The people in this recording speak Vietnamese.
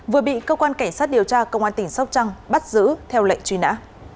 vừa bị cơ quan cảnh sát điều tra công an tỉnh sóc trăng bắt giữ theo lệnh truy nã